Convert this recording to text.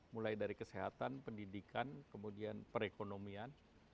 mulai dari kesehatan pendidikan kemudian perekonomian